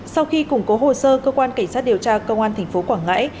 sau khi củng cố hồ sơ cơ quan cảnh sát điều tra công an tp quảng ngãi